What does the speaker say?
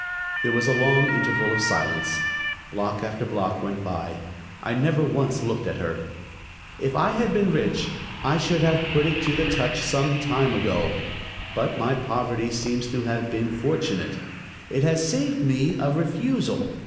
There was a long interval of silence; block after block went by. I never once looked at her. "If I had been rich I should have put it to the touch some time ago; but my poverty seems to have been fortunate; it has saved me a refusal.